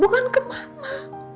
bukan ke mama